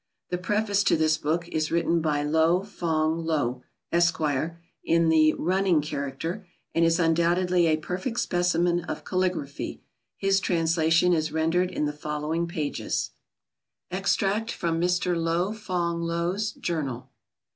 The preface to this book is written by Lo Fong Loh, Esq., in the "running" character, and is undoubtedly a perfect specimen of caligraphy; his translation is rendered in the following pages. EXTRACT FROM MR. LO FONG LOH'S JOURNAL.